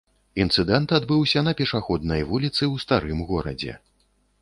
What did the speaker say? Інцыдэнт адбыўся на пешаходнай вуліцы ў старым горадзе.